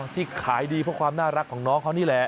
ที่ขายดีเพราะความน่ารักของน้องเขานี่แหละ